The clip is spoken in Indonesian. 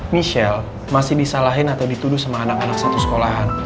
michelle masih disalahin atau dituduh sama anak anak satu sekolahan